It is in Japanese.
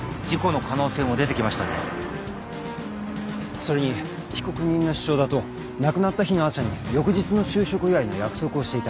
それに被告人の主張だと亡くなった日の朝に翌日の就職祝いの約束をしていた。